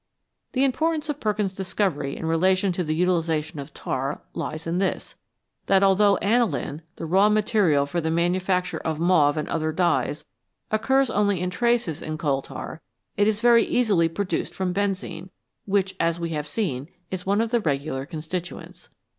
The importance of Perkin's discovery in relation to the utilisation of tar lies in this, that although aniline, the raw material for the manufacture of mauve and other dyes, occurs only in traces in coal tar, it is very easily produced from benzene, which, as we have seen, is one of the regular constituents.